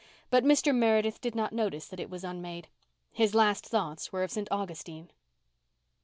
But Mr. Meredith did not notice that it was unmade. His last thoughts were of St. Augustine.